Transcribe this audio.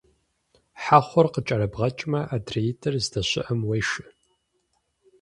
Хьэхъур къыкӀэрыбгъэкӀмэ, адреитӀыр здэщыӀэм уешэ.